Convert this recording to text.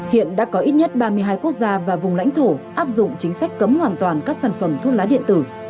hiện đã có ít nhất ba mươi hai quốc gia và vùng lãnh thổ áp dụng chính sách cấm hoàn toàn các sản phẩm thuốc lá điện tử